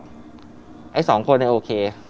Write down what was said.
เขาสองคนโอเค